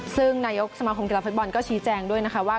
ซึ่งนายกสมาคมกีฬาฟุตบอลก็ชี้แจงด้วยนะคะว่า